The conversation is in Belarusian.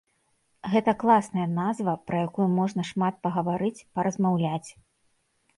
Гэта класная назва, пра якую можна шмат пагаварыць, паразмаўляць.